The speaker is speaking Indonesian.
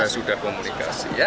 sudah komunikasi ya